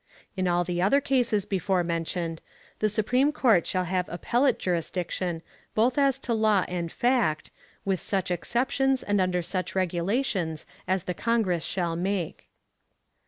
In all the other cases before mentioned, the Supreme Court shall have appellate jurisdiction both as to law and fact, with such exceptions and under such regulations as the Congress shall make.